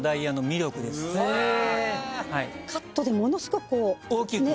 カットでものすごくこう。